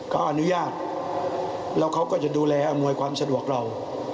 เขาอนุญาตแล้วเขาก็จะดูแลอำนวยความสะดวกเรา